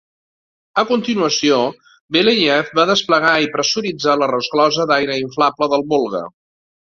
A continuació, Belyayev va desplegar i pressuritzar la resclosa d'aire inflable del Volga.